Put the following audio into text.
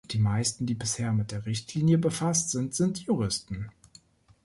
Die meisten, die bisher mit der Richtlinie befasst sind, sind Juristen.